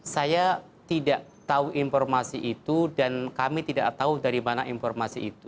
saya tidak tahu informasi itu dan kami tidak tahu dari mana informasi itu